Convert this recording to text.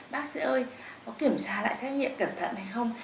bác sĩ ơi có kiểm tra lại xét nghiệm cẩn thận hay không